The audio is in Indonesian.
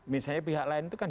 misalnya pihak lain itu kan